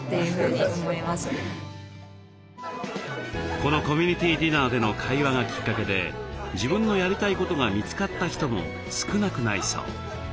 このコミュニティディナーでの会話がきっかけで自分のやりたいことが見つかった人も少なくないそう。